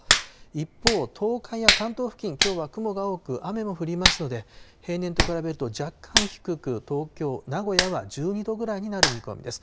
一方、東海や関東付近、きょうは雲が多く、雨も降りますので、平年と比べると若干低く、東京、名古屋は１２度ぐらいになる見込みです。